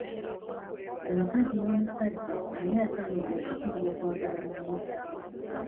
Omukazi n'omusajja ani asaanidde okusinga okwagala munne?